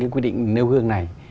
khi thực hiện quy định nêu gương này